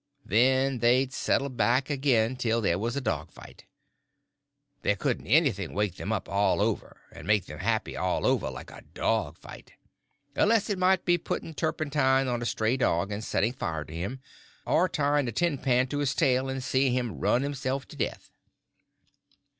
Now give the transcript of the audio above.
Then they'd settle back again till there was a dog fight. There couldn't anything wake them up all over, and make them happy all over, like a dog fight—unless it might be putting turpentine on a stray dog and setting fire to him, or tying a tin pan to his tail and see him run himself to death.